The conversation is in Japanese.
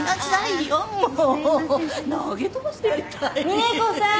・峰子さん。